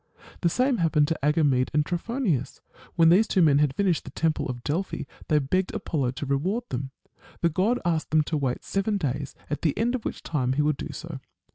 The same happened to Agamede and Trophonius. When these two men had finished the temple of Delphi, they begged Apollo to reward them. The god asked them to wait seven days, at the end of which time he would do so.